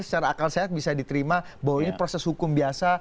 secara akal sehat bisa diterima bahwa ini proses hukum biasa